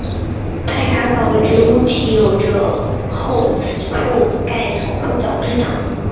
派卡藻的植物体有着厚覆盖层或角质层。